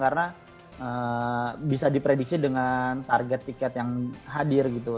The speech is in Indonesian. karena bisa diprediksi dengan target tiket yang hadir gitu